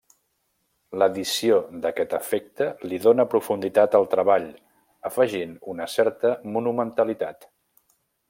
L'addició d'aquest efecte li dóna profunditat al treball afegint una certa monumentalitat.